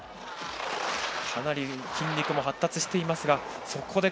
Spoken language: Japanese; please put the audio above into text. かなり筋肉も発達している。